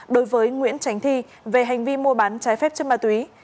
đối với nguyễn tránh thi về hành vi mua bán trái phép chất ma túy